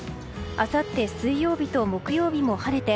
あさって水曜日と木曜日も晴れて